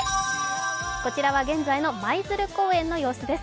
こちらは現在の舞鶴公園の様子です。